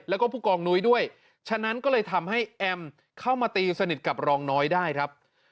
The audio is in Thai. แล้วก็ผู้กองนุ้ยด้วยฉะนั้นก็เลยทำให้แอมเข้ามาตีสนิทกับรองน้อยได้ครับ